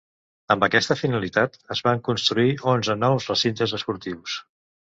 Amb aquesta finalitat, es van construir onze nous recintes esportius.